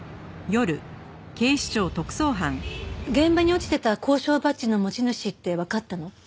現場に落ちてた校章バッジの持ち主ってわかったの？